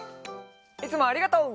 いつもありがとう！